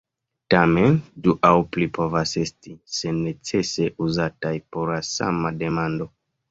Tamen, du aŭ pli povas esti, se necese, uzataj por la sama demando.